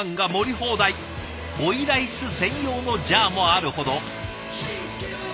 放題追いライス専用のジャーもあるほど。